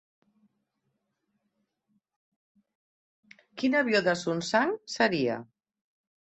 Quin avió de Sunsang seria?